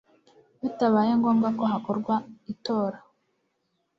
bitabaye ngombwa ko hakorwa itora